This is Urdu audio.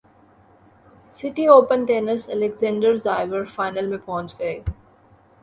سٹی اوپن ٹینسالیگزنڈر زایور فائنل میں پہنچ گئے